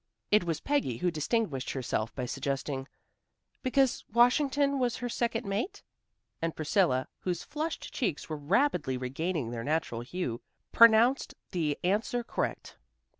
It was Peggy who distinguished herself by suggesting, "Because Washington was her second mate," and Priscilla, whose flushed cheeks were rapidly regaining their natural hue, pronounced the answer correct.